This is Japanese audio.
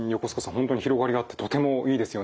本当に広がりがあってとてもいいですよね。